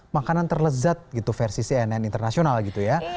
makanan terlezat gitu versi cnn internasional gitu ya